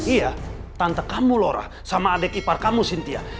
iya tante kamu lora sama adik ipar kamu cynthia